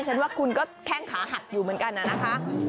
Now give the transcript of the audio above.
ฉันว่าคุณก็แข้งขาหักอยู่เหมือนกันนะคะ